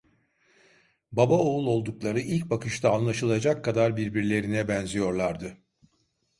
Baba oğul oldukları ilk bakışta anlaşılacak kadar birbirlerine benziyorlardı.